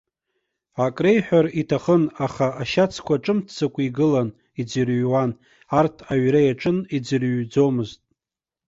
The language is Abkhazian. Ак реиҳәар иҭахын, аха ашьацқәа ҿымҭӡакәа игылан, иӡырҩуан, арҭ аҩра иаҿын, иӡырҩӡомызт.